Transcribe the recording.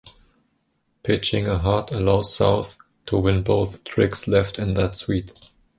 Pitching a heart allows South to win both tricks left in that suit.